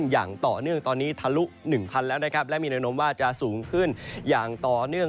อย่างต่อเนื่องตอนนี้ทะลุ๑๐๐แล้วนะครับและมีแนวโน้มว่าจะสูงขึ้นอย่างต่อเนื่อง